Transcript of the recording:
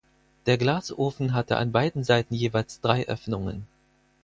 Der Glasofen hatte an beiden Seiten jeweils drei Öffnungen.